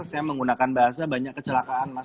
saya menggunakan bahasa banyak kecelakaan mas